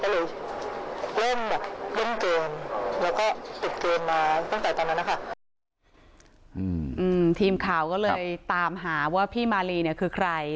ทีมข่าวก็เลยตามหาว่าพี่มาลีเนี่ยคือใคร